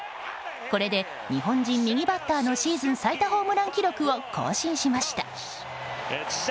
これで、日本人右バッターのシーズン最多ホームラン記録を更新しました。